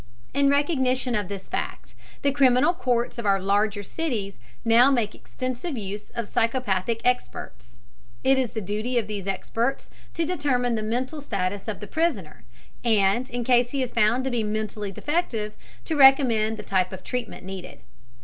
In recognition of this fact, the criminal courts of our larger cities now make extensive use of psychopathic experts. It is the duty of these experts to determine the mental status of the prisoner, and, in case he is found to be mentally defective, to recommend the type of treatment needed.